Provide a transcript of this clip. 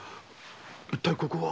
一体ここは？